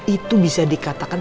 itu bisa dikatakan